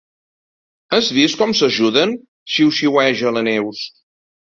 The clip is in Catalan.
Has vist com s'ajuden? —xiuxiueja la Neus.